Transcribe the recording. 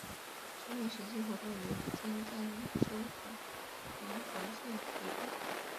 春秋时期活动于今甘肃省临洮县一带。